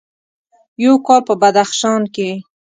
یو کال په بدخشان کې: